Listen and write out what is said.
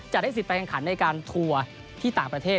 จะได้สิทธิ์ไปกันในการฒังกันที่ต่างประเทศ